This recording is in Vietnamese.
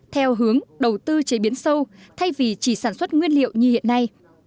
theo hướng đầu tư chế biến sâu thay vì chỉ sản xuất nguyên liệu như hiện nay